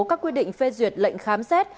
các quy định phê duyệt lệnh khám xét